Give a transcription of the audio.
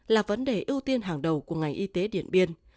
là vấn đề ưu tiên hàng đầu của ngành y tế điện biên